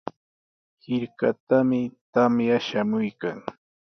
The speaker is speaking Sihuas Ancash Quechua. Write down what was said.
Hirkatami tamya shamuykan.